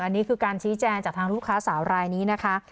อันนี้คือการชี้แจงจากทางลูกค้าสาวรายนี้นะคะ